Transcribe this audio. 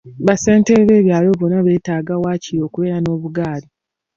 Bassentebe b'ebyalo bonna beetaaga waakiri okubeera n'obugaali.